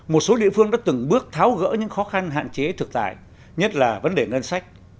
một số địa phương đã từng bước tháo gỡ những khó khăn hạn chế thực tại nhất là vấn đề ngân sách